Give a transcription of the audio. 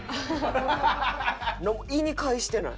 意に介してない。